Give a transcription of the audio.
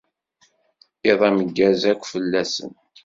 Iḍ ameggaz akk fell-asen.